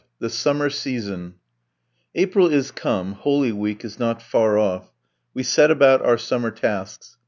THE SUMMER SEASON April is come; Holy Week is not far off. We set about our summer tasks.